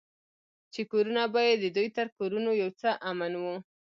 چې کورونه به يې د دوى تر کورونو يو څه امن وو.